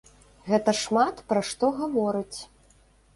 Гэта шмат пра што гаворыць.